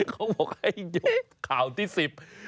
เขาบอกให้ยึดข่าวที่สิบ